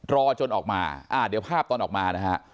รอจนออกมาอ่าเดี๋ยวภาพตอนออกมานะฮะ